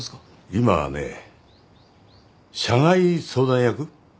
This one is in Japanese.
今はね社外相談役？